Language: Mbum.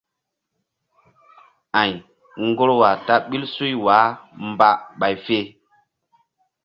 Ay ŋgorwa ta ɓil suy wah mba ɓay fe.